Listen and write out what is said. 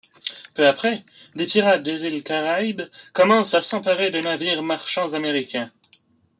Peu après, des pirates des îles Caraïbes commencent à s'emparer de navires marchands américains.